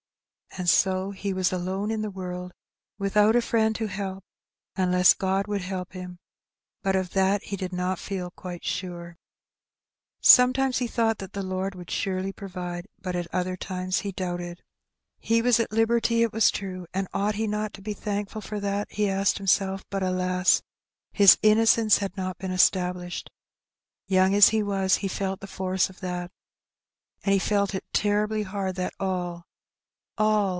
And so he was alone in the world, without a friend to help, unless God would help him; but of that he did not feel quite sure. Sometimes he thought that the Lord would surely provide, but at other times he doubted. He was at liberty, it was true, and ought he not to be Perks Again. 195 thankful for that? he asked himself; but alas! his inno cence had not been established. Young as he was, he felt the force of that. And he felt it terribly hard that all — all